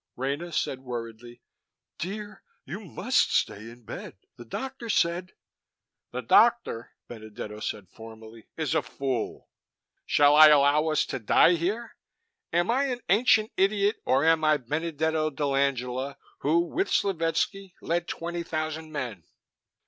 Rena said worriedly, "Dear, you must stay in bed. The doctor said " "The doctor," Benedetto said formally, "is a fool. Shall I allow us to die here? Am I an ancient idiot, or am I Benedetto dell'Angela who with Slovetski led twenty thousand men?"